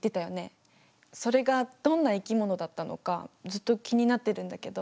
それがどんな生き物だったのかずっと気になってるんだけど。